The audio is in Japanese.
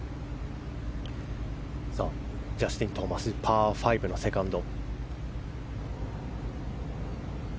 ジャスティン・トーマスパー５のセカンド。